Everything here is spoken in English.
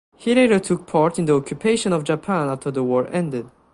He later took part in the occupation of Japan after the war ended.